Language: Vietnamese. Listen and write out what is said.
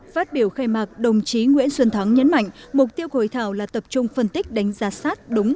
phát biểu khai mạc đồng chí nguyễn xuân thắng nhấn mạnh mục tiêu của hội thảo là tập trung phân tích đánh giá sát đúng